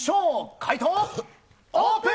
解答、オープン。